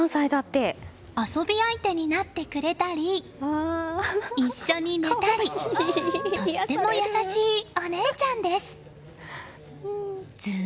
遊び相手になってくれたり一緒に寝たりとても優しいお姉ちゃんです。